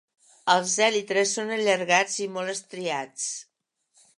Els èlitres són allargats i molt estriats.